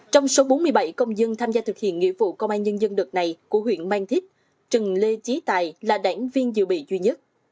trong số bốn mươi bảy công dân tham gia thực hiện nghĩa vụ công an nhân dân đợt này của huyện mang thít trừng lê trí tài là đảng viên dự bị duy nhất